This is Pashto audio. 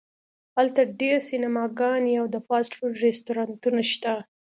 هلته ډیر سینماګانې او د فاسټ فوډ رستورانتونه شته